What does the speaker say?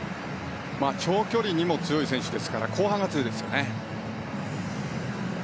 長距離にも強い選手ですから後半が強いですね。